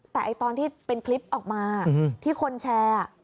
แต่ตอนที่เป็นคลิปออกมาที่คนแชร์